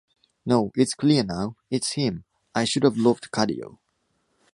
No! It’s clear now! It’s him, I should have loved Cadio.